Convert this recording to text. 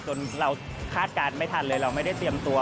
จนเราคาดการณ์ไม่ทันเลยเราไม่ได้เตรียมตัว